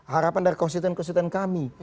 harapan dari konsultan konsultan kami